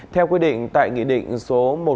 theo quyết định tại nghị định số